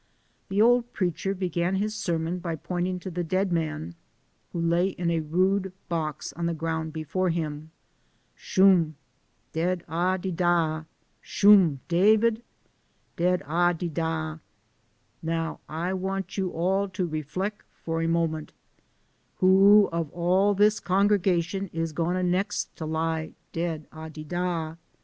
The old preacher began his sermon by pointing to the dead man, who lay in a rude box on the ground before him. "Shum? Ded a de dah ! Shum, David? Ded a de dah ! Now I want you all to flee* for moment. Who ob all dis congregation is gwine next to lie ded a de dah ?